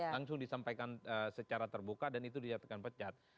langsung disampaikan secara terbuka dan itu dinyatakan pecat